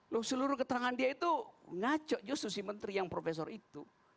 loh seluruh keterangan dia itu ngaco justru si menteri yang profesor itu